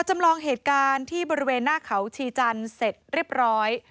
จำลองเหตุการณ์ที่บริเวณหน้าเขาชีจันทร์เสร็จเรียบร้อย